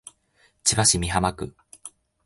千葉市美浜区